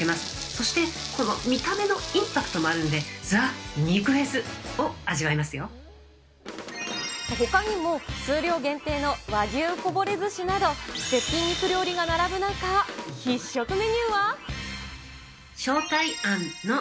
そしてこの見た目のインパクトもあるので、ほかにも、数量限定の和牛こぼれずしなど、絶品肉料理が並ぶ中、必食メニューは。